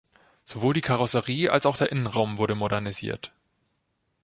Sowohl die Karosserie als auch der Innenraum wurde modernisiert.